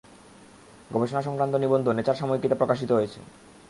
গবেষণাসংক্রান্ত নিবন্ধ নেচার সাময়িকীতে প্রকাশিত হয়েছে।